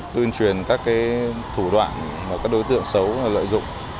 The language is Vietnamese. tuyên truyền các thủ đoạn mà các đối tượng xấu lợi dụng